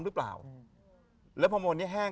หรือเปล่าแล้วพอโมนนี้แห้ง